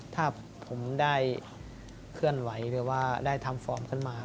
ถ้าผมได้เคลื่อนไหวหรือว่าได้ทำฟอร์มขึ้นมา